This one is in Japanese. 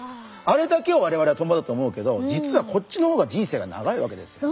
あれだけをわれわれはトンボだと思うけど実はこっちのほうが人生が長いわけですよ。